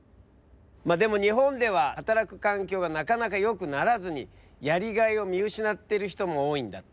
まあでも日本では働く環境がなかなかよくならずにやりがいを見失ってる人も多いんだって。